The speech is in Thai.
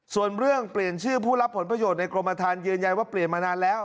ส่วนเรื่องเปลี่ยนชื่อผู้รับผลประโยชน์ในกรมฐานยืนยันว่าเปลี่ยนมานานแล้ว